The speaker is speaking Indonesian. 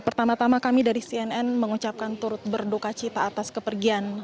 pertama tama kami dari cnn mengucapkan turut berduka cita atas kepergian